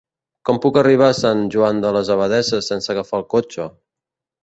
Com puc arribar a Sant Joan de les Abadesses sense agafar el cotxe?